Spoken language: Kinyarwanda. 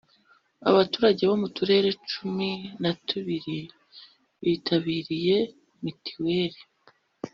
Abaturage bo mu turere cumi na tubiri bitabiriye mituweli.